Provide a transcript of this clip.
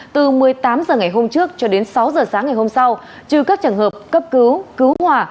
từ một mươi tám h ngày hôm trước cho đến sáu h sáng ngày hôm sau trừ các trường hợp cấp cứu cứu hỏa